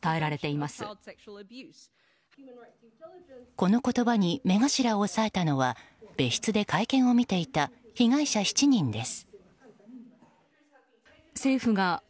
この言葉に目頭を押さえたのは別室で会見を見ていた被害者７人です。